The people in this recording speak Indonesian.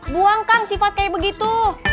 buang kang sifat kayak begitu